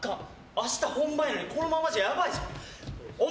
明日本番やのにこのままじゃやばいぞ。